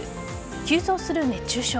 急増する熱中症。